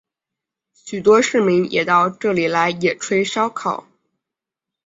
许多市民也到这里来野炊烧烤。